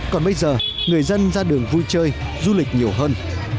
còn bây giờ người dân ra đường vui chơi du lịch nhiều hơn